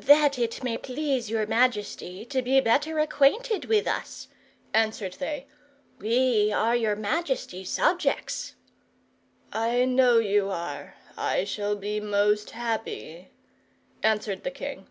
"That it may please your majesty to be better acquainted with us," answered they. "We are your majesty's subjects." "I know you are. I shall be most happy," answered the king.